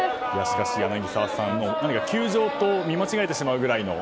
柳澤さん、球場と見間違えてしまうぐらいの。